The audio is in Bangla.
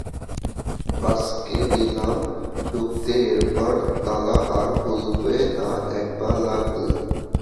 আজকে দিলাম ঢুকতে, এরপর তালা আর খুলবে না, একবার লাগলে।